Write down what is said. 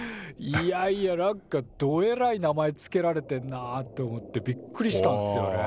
いやいやなんかどえらい名前付けられてんなって思ってびっくりしたんすよね。